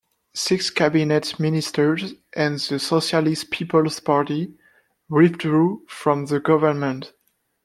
Six cabinet ministers and the Socialist People's Party withdrew from the government.